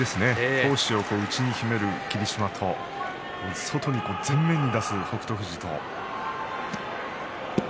闘志を内に秘める霧島と外に前面に出す北勝富士と。